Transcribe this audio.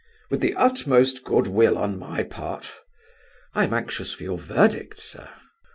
"With the utmost good will on my part." "I am anxious for your verdict, sir."